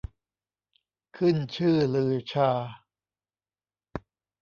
ขึ้นชื่อลือชา